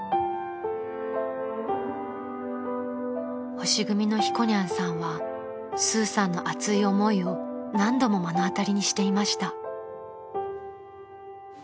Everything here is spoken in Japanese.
［星組のひこにゃんさんはスーさんの熱い思いを何度も目の当たりにしていました］